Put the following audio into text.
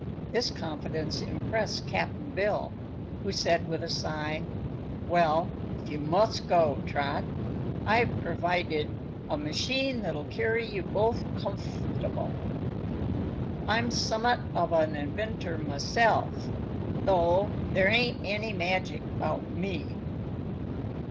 This confidence impressed Cap'n Bill, who said with a sigh: "Well, if you must go, Trot, I've pervided a machine that'll carry you both comf'table. I'm summat of an inventor myself, though there ain't any magic about me."